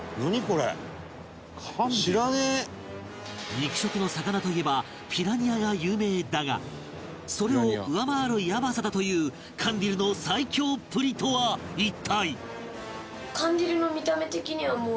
肉食の魚といえばピラニアが有名だがそれを上回るヤバさだというカンディルの最恐っぷりとは一体？